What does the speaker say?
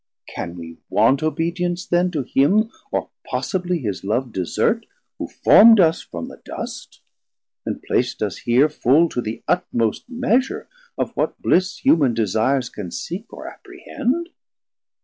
can wee want obedience then To him, or possibly his love desert Who formd us from the dust, and plac'd us here Full to the utmost measure of what bliss Human desires can seek or apprehend?